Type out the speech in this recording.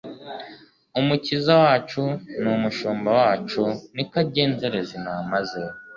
Umukiza wacu n'umushumba wacu niko agenzereza intama ze.